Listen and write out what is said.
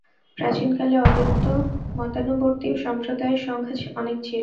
প্রাচীনকালে অদ্বৈত-মতানুবর্তী সম্প্রদায়ের সংখ্যা অনেক ছিল।